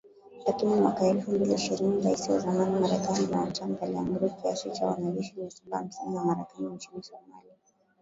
Lakini mwaka elfu mbili ishirini Rais wa zamani Marekani Donald Trump aliamuru kiasi cha wanajeshi mia saba hamsini wa Marekani nchini Somalia.